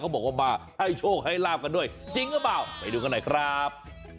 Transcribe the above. บอกว่ามาให้โชคให้ลาบกันด้วยจริงหรือเปล่าไปดูกันหน่อยครับ